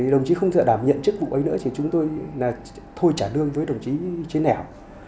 đồng chí không sợ đảm nhận chức vụ ấy nữa chúng tôi thôi trả lương với đồng chí trinh nẻo